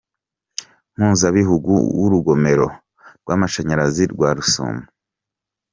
mpuzabihugu w‟Urugomero rw‟Amashanyarazi rwa Rusumo ;